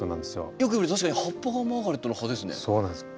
よく見ると確かに葉っぱがマーガレットの葉ですね。